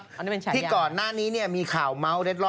อันนี้เป็นฉันอย่างที่ก่อนหน้านี้นี่มีข่าวเมาส์เร็ดรอด